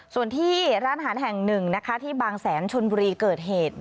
ส่วนที่ร้านอาหารแห่งหนึ่งนะคะที่บางแสนชนบุรีเกิดเหตุ